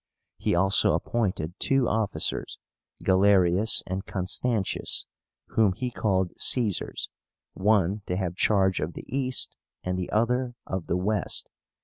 He also appointed two officers, GALERIUS and CONSTANTIUS, whom he called CAESARS, one to have charge of the East, and the other of the West.